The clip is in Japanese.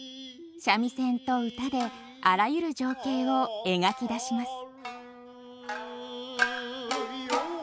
三味線と唄であらゆる情景を描き出します。